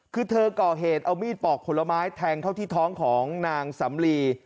คือเธอก่อเหตุเอามีดปอกผลไม้แทงเข้าที่ท้องของนางสำลี